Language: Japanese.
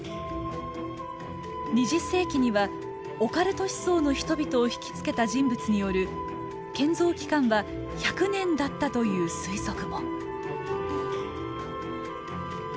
２０世紀にはオカルト思想の人々を惹きつけた人物による建造期間は１００年だったという推測も。